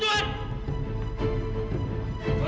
jadi ini seperti ini ya